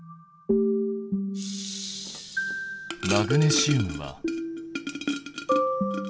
マグネシウムは。